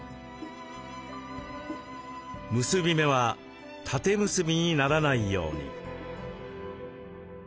結び目は縦結びにならないように。